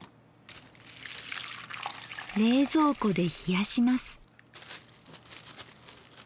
冷蔵庫で冷やします。